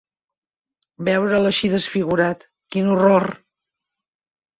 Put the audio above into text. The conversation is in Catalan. Veure'l així desfigurat: quin horror!